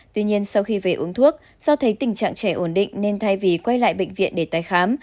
tuy nhiên sau khi về uống thuốc do thấy tình trạng trẻ ổn định nên thay vì quay lại bệnh viện để tái khám